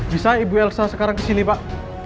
bisa ibu elsa sekarang kesini pak